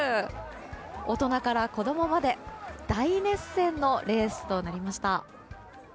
大人から子供まで大熱戦のレースとなりました。